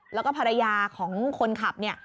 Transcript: แล้วก็ภรรยาของคนขับ